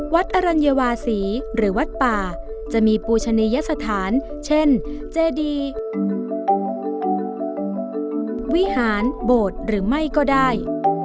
อรัญวาศีหรือวัดป่าจะมีปูชนียสถานเช่นเจดีวิหารโบสถ์หรือไม่ก็ได้